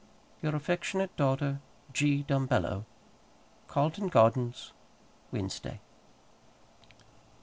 Your affectionate daughter, G. DUMBELLO. Carlton Gardens, Wednesday.